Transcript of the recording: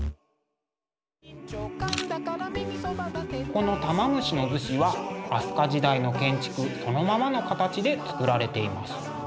この玉虫厨子は飛鳥時代の建築そのままの形で作られています。